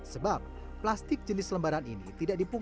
sebab plastik jenis lembaran ini tidak dipung